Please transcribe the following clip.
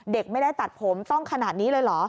เด็กไม่ได้ตัดผมต้องขนาดนี้เลยเหรอ